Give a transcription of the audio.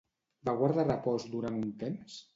Va guardar repòs durant un temps?